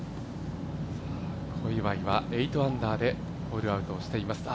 小祝は８アンダーでホールアウトしていますね。